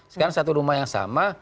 sekarang satu rumah yang sama